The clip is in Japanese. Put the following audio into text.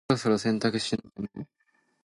そろそろ洗濯しなきゃな。